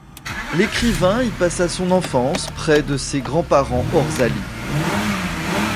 L'écrivain y passa son enfance près de ses grands-parents Orzali.